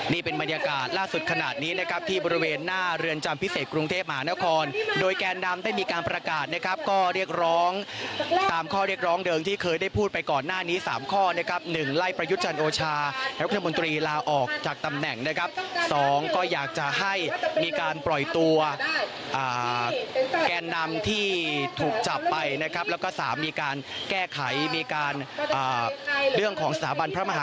นี่เป็นบรรยากาศล่าสุดขนาดนี้นะครับที่บริเวณหน้าเรือนจำพิเศษกรุงเทพมหานครโดยแกนดำได้มีการประกาศนะครับก็เรียกร้องตามข้อเรียกร้องเดิมที่เคยได้พูดไปก่อนหน้านี้สามข้อนะครับหนึ่งไล่ประยุทธ์จันทร์โอชาหรือคุณมนตรีลาออกจากตำแหน่งนะครับสองก็อยากจะให้มีการปล่อยตัวอ่าแกนดำที่ถูกจ